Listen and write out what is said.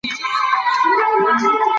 په هوږه کې پوتاشیم په زیاته اندازه شته.